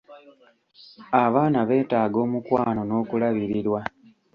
Abaana beetaaga omukwano n'okulabirirwa.